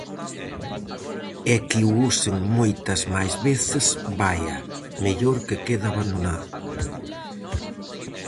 E que o usen moitas máis veces, vaia, mellor que quede abandonado.